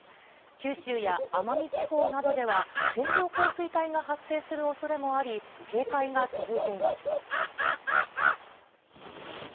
九州や奄美地方などでは、線状降水帯が発生するおそれもあり、警戒が続いています。